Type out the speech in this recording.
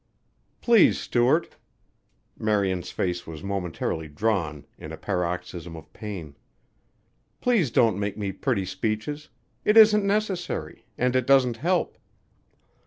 "Please, Stuart!" Marian's face was momentarily drawn in a paroxysm of pain. "Please don't make me pretty speeches. It isn't necessary and it doesn't help."